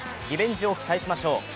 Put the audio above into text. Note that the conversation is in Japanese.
リベンジを期待しましょう。